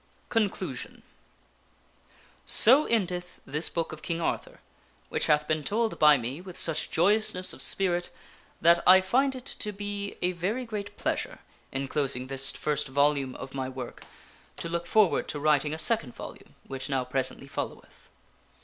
CONCLUSION So endeth this Book of King Arthur which hath been told by me with such joyousness of spirit that I find it to be a very great pleasure, in closing this first volume of my work, to look forward to writing a second volume, which now presently followeth.